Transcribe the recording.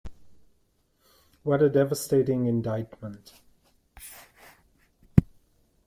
What a devastating indictment.